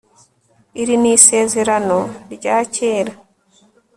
iri ni isezerano ryakera